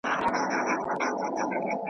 او خلک یې پوهي او شاعری ته ګوته په غاښ ونیسي